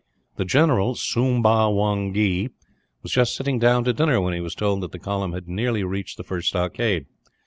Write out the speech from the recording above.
The general, Soomba Wongee, was just sitting down to dinner when he was told that the column had nearly reached the first stockade.